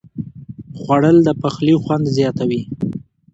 خوړل د پخلي خوند زیاتوي